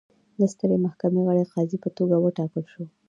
د سترې محکمې غړي قاضي په توګه وټاکل شو.